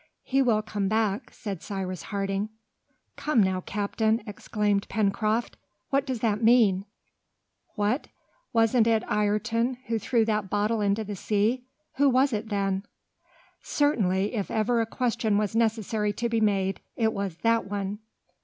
"He will come back," said Cyrus Harding. "Come now, captain," exclaimed Pencroft, "what does that mean? What! wasn't it Ayrton who threw that bottle into the sea? Who was it then?" Certainly, if ever a question was necessary to be made, it was that one!